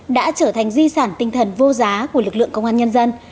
đã trở thành di sản tinh thần vô giá của lực lượng công an nhân dân